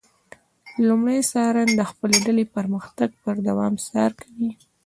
لمری څارن د خپلې ډلې پرمختګ پر دوام څار کوي.